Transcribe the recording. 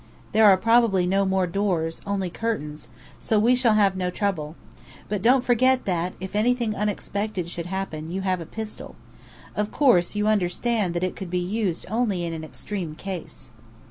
There are probably no more doors, only curtains, so we shall have no trouble. But don't forget that, if anything unexpected should happen, you have a pistol. Of course, you understand that it could be used only in an extreme case."